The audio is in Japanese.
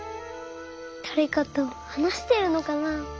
だれかとはなしてるのかな？